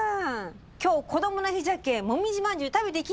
今日こどもの日じゃけんもみじまんじゅう食べていきんさい！